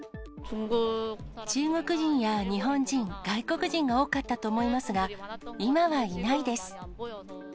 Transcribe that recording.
中国人や日本人、外国人が多かったと思いますが、今はいないです。